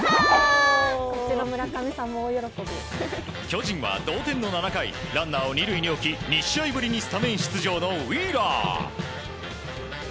巨人は同点の７回ランナーを２塁に置き２試合ぶりにスタメン出場のウィーラー。